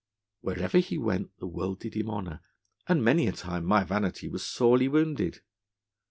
Wherever he went the world did him honour, and many a time my vanity was sorely wounded.